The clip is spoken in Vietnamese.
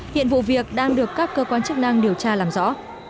hiện vụ việc đang được các cơ quan chức năng điều tra làm rõ